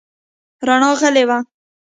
رڼا غلې ده .